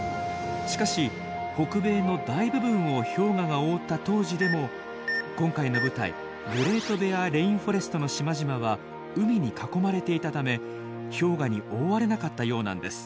しかし北米の大部分を氷河が覆った当時でも今回の舞台グレートベアレインフォレストの島々は海に囲まれていたため氷河に覆われなかったようなんです。